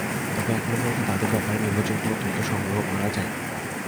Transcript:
তবে এখন পর্যন্ত তাঁদের ব্যাপারে নির্ভরযোগ্য কোনো তথ্য সংগ্রহ করা যায়নি।